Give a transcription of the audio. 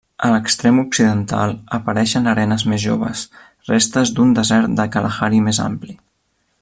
A l'extrem occidental apareixen arenes més joves, restes d'un desert de Kalahari més ampli.